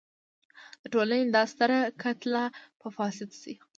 د ټولنې دا ستره کتله به فاسده شي.